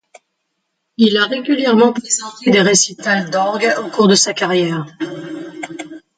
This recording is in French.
Il a régulièrement présenté des récitals d'orgue au cours de sa carrière.